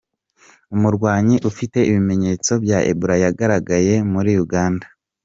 Umurwayi ufite ibimenyetso bya Ebola yagaragaye muri Uganda .